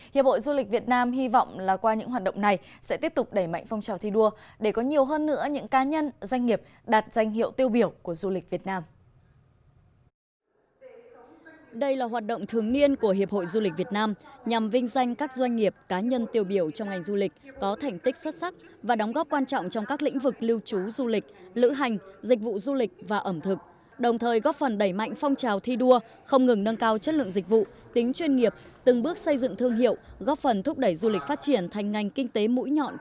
hiệp hội du lịch việt nam hy vọng là qua những hoạt động này sẽ tiếp tục đẩy mạnh phong trào thi đua để có nhiều hơn nữa những cá nhân doanh nghiệp đạt danh hiệu tiêu biểu của du lịch việt nam